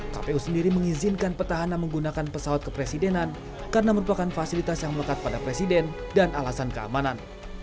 kpu sendiri mengizinkan petahana menggunakan pesawat kepresidenan karena merupakan fasilitas yang melekat pada presiden dan alasan keamanan